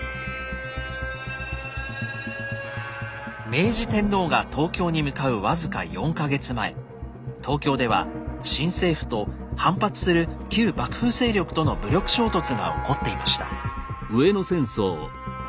明治天皇が東京に向かう僅か４か月前東京では新政府と反発する旧幕府勢力との武力衝突が起こっていました。